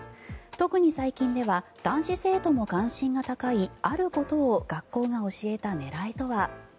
特に最近では男子生徒も関心が高いあることを学校が教えた狙いとは。